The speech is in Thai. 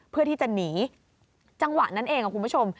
เพื่อที่จะหนีจังหวะนั้นเองคุณผู้ชม